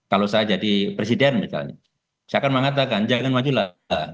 kalau saya jadi presiden misalnya saya akan mengatakan jangan maju lah